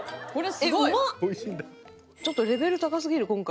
ちょっとレベル高すぎる今回。